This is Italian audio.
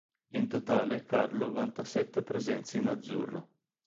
In totale Carlo vanta sette presenze in azzurro.